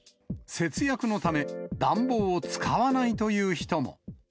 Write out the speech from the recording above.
節約のため、暖房を使わないという人も。